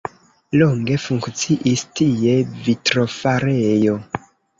Longe funkciis tie vitrofarejo.